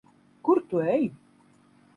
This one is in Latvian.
Kur tu ej?